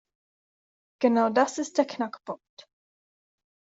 Genau das ist der Knackpunkt.